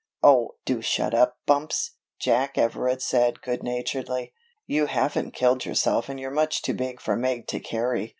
"Oh, do shut up, 'Bumps'," Jack Everett said good naturedly. "You haven't killed yourself and you're much too big for Meg to carry."